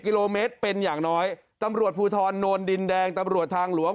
กิโลเมตรเป็นอย่างน้อยตำรวจภูทรโนนดินแดงตำรวจทางหลวง